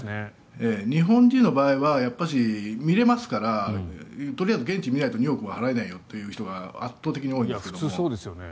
日本人の場合はやっぱり、見れますからとりあえず現地見ないと２億は払えないよという人が普通そうですよね。